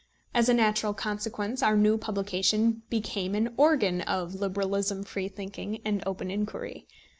As a natural consequence, our new publication became an organ of liberalism, free thinking, and open inquiry.